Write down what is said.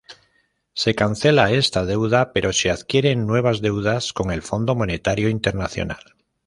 Se cancela esta deuda pero se adquieren nuevas deudas con el Fondo Monetario Internacional.